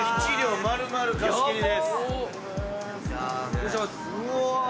失礼します。